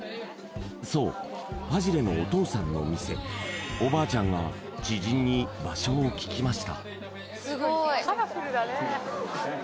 そうファジレのお父さんのお店おばあちゃんが知人に場所を聞きました